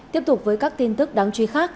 tiếp tục với các tin tức đáng chú ý